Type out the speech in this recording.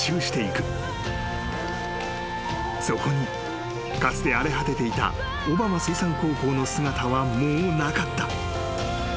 ［そこにかつて荒れ果てていた小浜水産高校の姿はもうなかった］